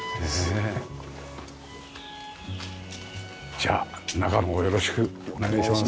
じゃあ中のほうよろしくお願いします。